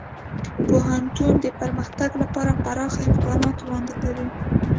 پوهنتون د پرمختګ لپاره پراخه امکانات وړاندې کوي.